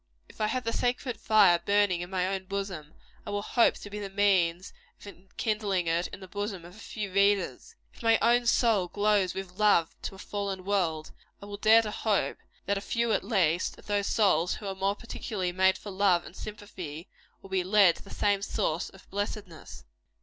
If I have the sacred fire burning in my own bosom, I will hope to be the means of enkindling it in the bosom of a few readers. If my own soul glows with love to a fallen world, I will dare to hope that a few, at least, of those whose souls are more particularly made for love and sympathy, will be led to the same source of blessedness.